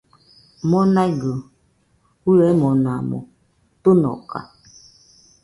Monaigɨ fɨemonamo tɨnoka